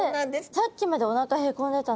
さっきまでおなかへこんでたのに。